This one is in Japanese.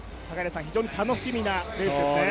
非常に楽しみなレースですね。